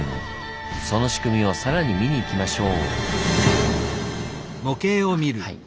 その仕組みをさらに見に行きましょう。